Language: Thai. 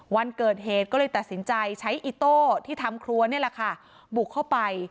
วันเกิดเหตุก็เลยตัดสินใจใช้อิโต้ที่ทำครัวนี่แหละค่ะบุกเข้าไป